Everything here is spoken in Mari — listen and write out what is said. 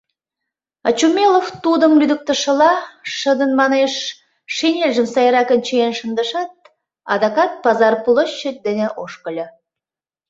— Очумелов тудым лӱдыктышыла, шыдын манеш, шинельжым сайракын чиен шындышат, адакат пазар площадь дене ошкыльо.